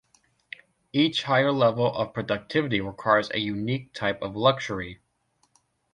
Each higher level of productivity requires a unique type of luxury.